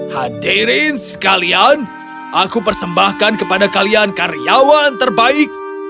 hadirin sekalian aku persembahkan kepada kalian karyawan terbaik